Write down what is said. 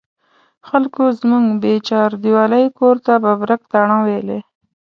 خلکو زموږ بې چاردیوالۍ کور ته ببرک تاڼه ویلې.